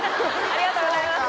ありがとうございます